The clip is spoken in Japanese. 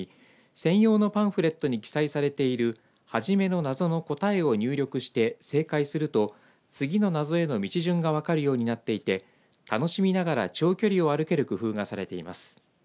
専用のパンフレットに記載されているはじめの謎の答えを入力して正解すると次の謎への道順が分かるようになっていて楽しみながら長距離を歩ける工夫がされています。